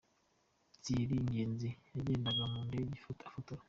Thirry Ingenzi yagendaga mu ndege afotora .